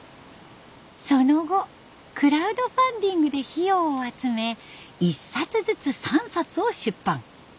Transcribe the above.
その後クラウドファンディングで費用を集め１冊ずつ３冊を出版。